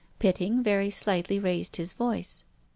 Pitting very slightly raised his voice.